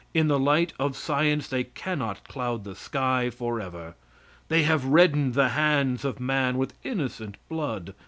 In the light of science they cannot cloud the sky forever. They have reddened the hands of man with innocent blood.